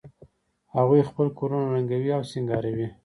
هغوی خپل کورونه رنګوي او سینګاروي